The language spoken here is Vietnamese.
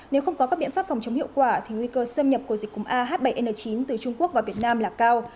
nếu không có các biện pháp phòng chống hiệu quả thì nguy cơ xâm nhập của dịch cúm ah bảy n chín từ trung quốc và việt nam là cao